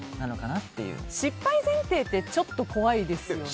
失敗前提ってちょっと怖いですよね。